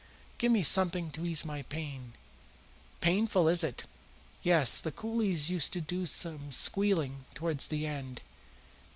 "Give me something to ease my pain." "Painful, is it? Yes, the coolies used to do some squealing towards the end.